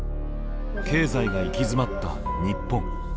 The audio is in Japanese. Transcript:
経済が行き詰まった日本。